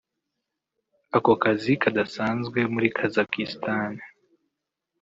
Ako kazi kadasanzwe muri Kazakhstan